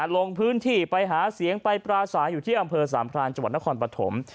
ลงพื้นที่ไปหาเสียงไปปราศาอยู่ที่อำเภอสามพรานจังหวัดนครปฐม